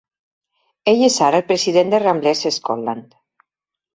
Ell és ara el president de Ramblers Scotland.